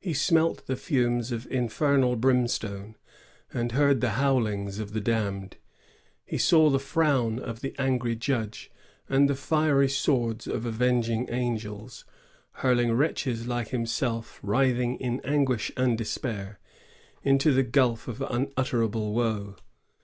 He smelt the fumes of infernal brimstone, and heard the bowlings of the damned. He saw the frown of the angry Judge, and the fiery swords of avenging angels, hurling wretches like himself, writhing in anguish and despair, into the gulf of unutterable woe.